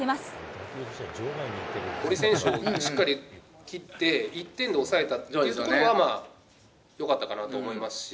森選手をしっかり切って、１点で抑えたのは、まあ、よかったかなと思いますし。